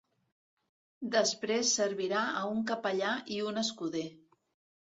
Després servirà a un capellà i un escuder.